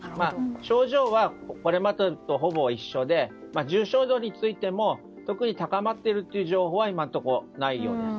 症状はこれまでとほぼ一緒で重症度についても特に高まっているという情報はないようです。